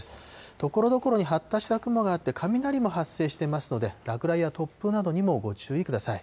ところどころに発達した雲があって、雷も発生してますので、落雷や突風などにもご注意ください。